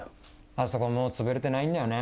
あそこもうつぶれてないんだよね。